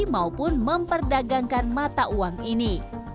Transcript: maupun memperdagangkan mata uang ini